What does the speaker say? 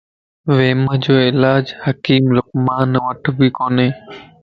وھمَ جو علاج حڪيم لقمانَ وٽ به ڪوني.